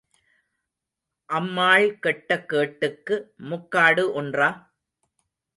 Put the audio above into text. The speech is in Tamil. அம்மாள் கெட்ட கேட்டுக்கு முக்காடு ஒன்றா?